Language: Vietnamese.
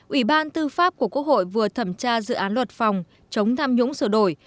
ủy ban tư pháp của quốc hội vừa thẩm tra dự án luật phòng chống tham nhũng sửa đổi